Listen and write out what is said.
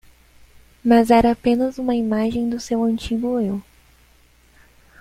Mas era apenas uma imagem do seu antigo eu.